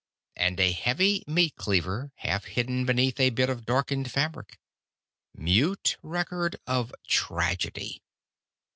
And a heavy meat cleaver, half hidden beneath a bit of darkened fabric. Mute record of tragedy!